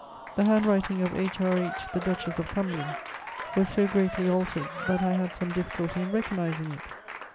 The handwriting of H.R.H. the Duchess of Cumberland was so greatly altered that I had some difficulty in recognising it.